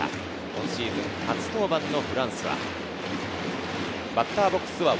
今シーズン初登板のフランスア。